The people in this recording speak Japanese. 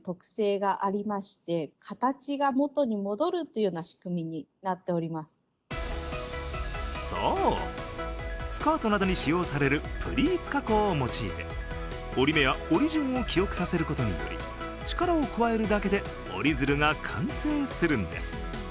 一体どんな仕組みなのかというとそう、スカートなどに使用されるプリーツ加工を用いて折り目や折り順を記憶させることにより力を加えるだけで折り鶴が完成するんです。